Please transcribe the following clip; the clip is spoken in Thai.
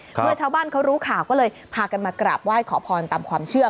เมื่อชาวบ้านเขารู้ข่าวก็เลยพากันมากราบไหว้ขอพรตามความเชื่อ